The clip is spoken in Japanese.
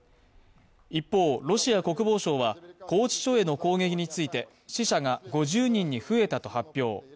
一方、ロシア国防省は拘置所への攻撃について死者が５０人に増えたと発表。